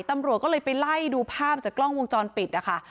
ตำรวจก็เลยไปไล่ดูภาพจากกล้องวงจรปิดนะคะ